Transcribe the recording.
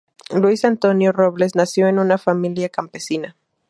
Luis Antonio Robles nació en una familia campesina.